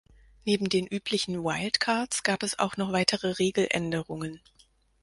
Neben den üblichen Wildcards gab es auch noch weitere Regeländerungen.